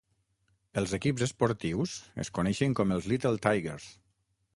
Els equips esportius es coneixen com els "Little Tigers".